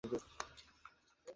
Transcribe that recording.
আমি একাই পারবো।